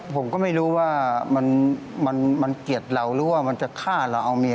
ผมก็ไม่รู้ว่ามันเกลียดเราหรือว่ามันจะฆ่าเราเอาเมีย